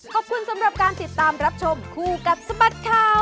ขอบคุณสำหรับการติดตามรับชมคู่กับสบัดข่าว